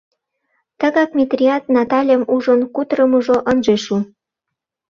Тыгак Метрият Наталем ужын, кутырымыжо ынже шу!